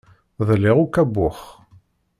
Ḍliɣ akk abux.